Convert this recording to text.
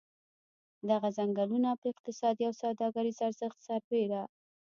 دغه څنګلونه په اقتصادي او سوداګریز ارزښت سربېره.